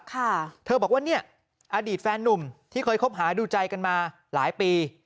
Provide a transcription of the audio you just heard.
เธอบอกว่าเนี่ยอดีตแฟนนุ่มที่เคยคบหาดูใจกันมาหลายปี